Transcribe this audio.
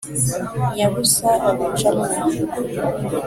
nyabusa abica mwo